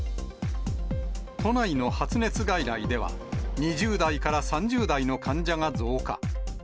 都内の発熱外来では、２０代から３０代の患者が増加。